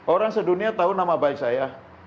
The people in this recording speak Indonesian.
orang sedunia tahu nama baik saya